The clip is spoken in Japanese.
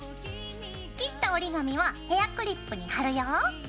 切った折り紙はヘアクリップに貼るよ。